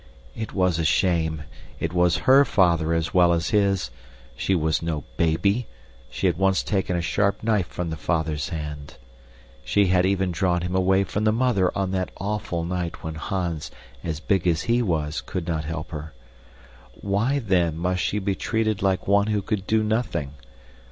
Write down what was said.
It was a shame. It was HER father as well as his. She was no baby. She had once taken a sharp knife from the father's hand. She had even drawn him away from the mother on that awful night when Hans, as big as he was, could not help her. Why, then, must she be treated like one who could do nothing?